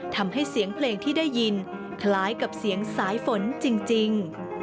ทำให้เสียงเพลงที่ได้ยินคล้ายกับเสียงสายฝนจริง